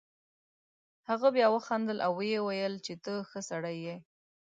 هغه بیا وخندل او ویې ویل چې ته ښه سړی یې.